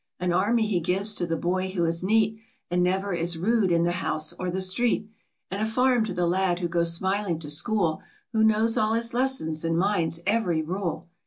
An army he gives to the boy who is neat, And never is rude in the house or the street ; And a farm to the lad who goes smiling to school, Who knows all his lessons, and minds every rule.